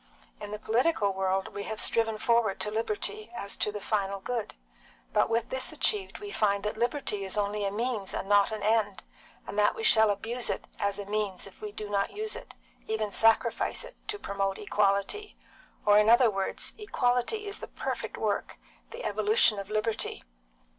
In the political world we have striven forward to liberty as to the final good, but with this achieved we find that liberty is only a means and not an end, and that we shall abuse it as a means if we do not use it, even sacrifice it, to promote equality; or in other words, equality is the perfect work, the evolution of liberty.